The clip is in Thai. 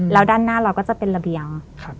แล้วด้านหน้าเราก็จะเป็นระเบียง